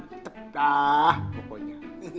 wih mantep dah pokoknya